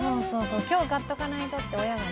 今日買っとかないとって親がね。